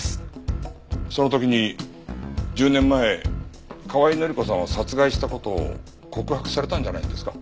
その時に１０年前河合範子さんを殺害した事を告白されたんじゃないんですか？